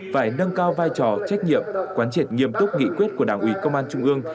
phải nâng cao vai trò trách nhiệm quán triệt nghiêm túc nghị quyết của đảng ủy công an trung ương